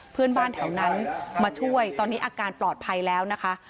เพื่อนบ้านแถวนั้นมาช่วยตอนนี้อาการปลอดภัยแล้วนะคะ